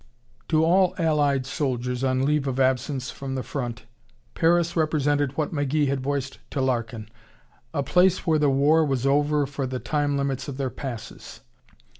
3 To all allied soldiers on leave of absence from the front, Paris represented what McGee had voiced to Larkin a place where the war was over for the time limits of their passes.